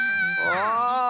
ああ！